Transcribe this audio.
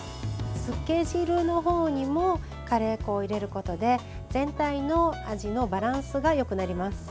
つけ汁の方にもカレー粉を入れることで全体の味のバランスがよくなります。